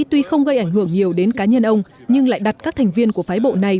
tuy không gây ảnh hưởng nhiều đến cá nhân ông nhưng lại đặt các thành viên của phái bộ này